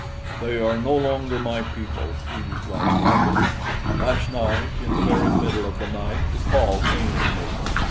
"They are no longer my people," he replied proudly. "Last night, in the very middle of the night, the call came to me.